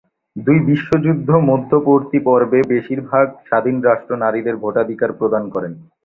দুই বিশ্বযুদ্ধ-মধ্যপর্তী পর্বে বেশির ভাগ স্বাধীন রাষ্ট্র নারীদের ভোটাধিকার প্রদান করেন।